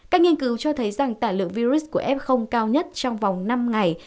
các nghiên cứu cho thấy rằng tả lượng virus của f cao nhất trong vòng năm ngày